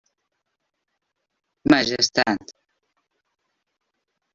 Majestat.